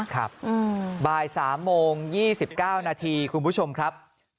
ครับบ่าย๓โมง๒๙นาทีคุณผู้ชมครับ